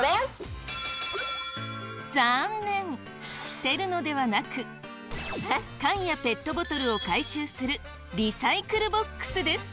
捨てるのではなく缶やペットボトルを回収するリサイクルボックスです。